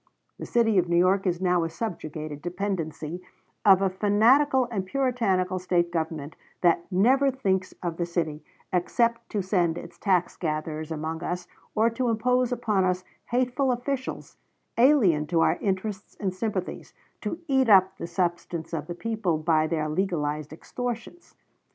The city of New York is now a subjugated dependency of a fanatical and puritanical State government that never thinks of the city except to send its tax gatherers among us or to impose upon us hateful officials, alien to our interests and sympathies, to eat up the substance of the people by their legalized extortions....